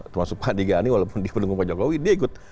termasuk pak andi gani walaupun dia pendukung pak jokowi dia ikut